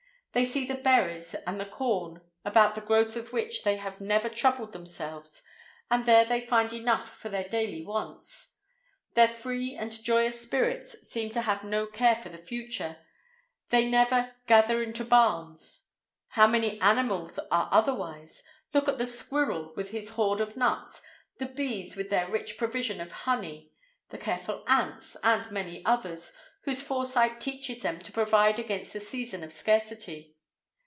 They see the berries and the corn, about the growth of which they have never troubled themselves, and there they find enough for their daily wants. Their free and joyous spirit seems to have no care for the future; they never "gather into barns." How many animals are otherwise! Look at the squirrel with his hoard of nuts, the bees with their rich provision of honey, the careful ants, and many others, whose foresight teaches them to provide against the season of scarcity.